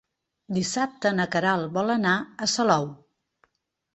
Dissabte na Queralt vol anar a Salou.